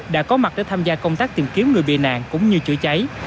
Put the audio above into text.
đã có mặt để tham gia công tác tìm kiếm người bị nạn cũng như chữa cháy